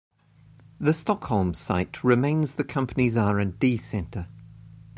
The Stockholm site remains the company's R and D center.